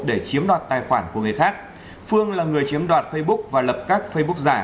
để chiếm đoạt tài khoản của người khác phương là người chiếm đoạt facebook và lập các facebook giả